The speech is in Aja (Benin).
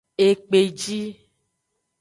Ekpeji.